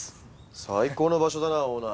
最高の場所だなオーナー。